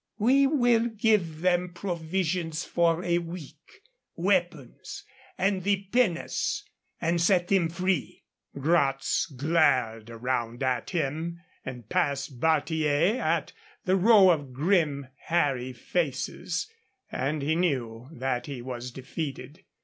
We will give them provisions for a week, weapons, and the pinnace, and set them free." Gratz glared around at him and past Barthier at the row of grim, hairy faces; and he knew that he was defeated.